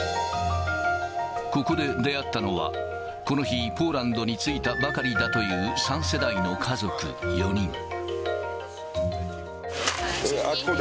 ここで出会ったのは、この日、ぽーらんどについたばかりだという、３世代の家族４人。